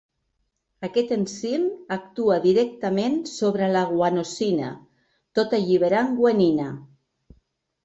Aquest enzim actua directament sobre la guanosina tot alliberant guanina.